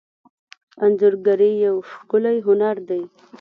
انځورګري یو ښکلی هنر دی.